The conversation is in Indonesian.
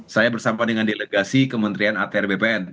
saya bersama dengan delegasi kementerian atr bpn